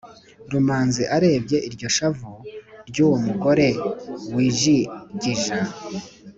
rumanzi arebye iryo shavu ryuwomugore wijigija